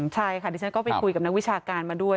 ใช่ค่ะดิฉันก็ไปคุยกับนักวิชาการมาด้วย